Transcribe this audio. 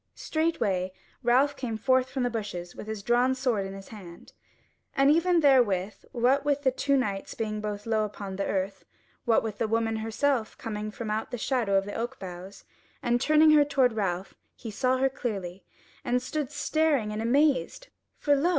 Straightway Ralph came forth from the bushes with his drawn sword in his hand, and even therewith what with the two knights being both low upon the earth, what with the woman herself coming from out the shadow of the oak boughs, and turning her toward Ralph, he saw her clearly, and stood staring and amazed for lo!